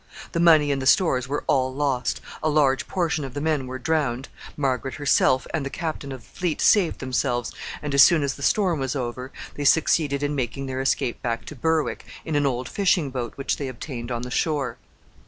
The money and the stores were all lost; a large portion of the men were drowned; Margaret herself and the captain of the fleet saved themselves, and, as soon as the storm was over, they succeeded in making their escape back to Berwick in an old fishing boat which they obtained on the shore.